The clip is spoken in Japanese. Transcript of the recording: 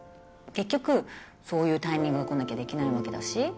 結局そういうタイミングが来なきゃできないわけだし。